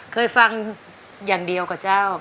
เคยฟังอย่างเดียวกับเจ้า